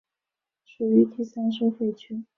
属于第三收费区。